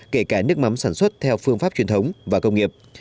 kể cả nước mắm sản xuất theo phương pháp truyền thống và công nghiệp